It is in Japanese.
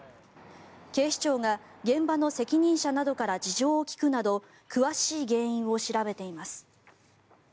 警視庁が現場の責任者などから事情を聴くなど詳しい原因を調べています。